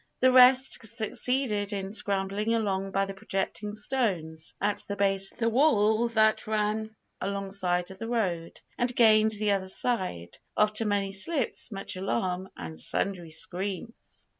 The rest succeeded in scrambling along by the projecting stones at the base of the wall that ran alongside of the road, and gained the other side, after many slips, much alarm, and sundry screams.